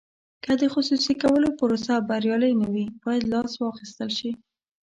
که د خصوصي کولو پروسه بریالۍ نه وي باید لاس واخیستل شي.